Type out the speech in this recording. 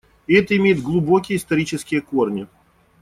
И это имеет глубокие исторические корни.